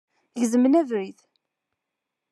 Gezmen abrid.